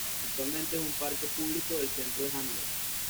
Actualmente es un parque público del centro de Hannover.